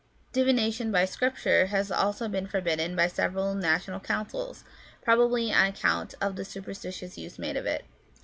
Divination by Scripture has been forbidden by several national councils, probably on account of the superstitious use made of it.